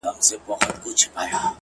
ستا د تورو سترگو اوښکي به پر پاسم ـ